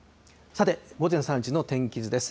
さて、午前３時の天気図です。